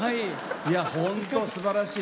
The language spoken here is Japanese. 本当、すばらしい。